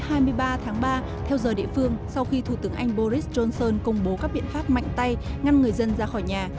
hôm hai mươi ba tháng ba theo giờ địa phương sau khi thủ tướng anh boris johnson công bố các biện pháp mạnh tay ngăn người dân ra khỏi nhà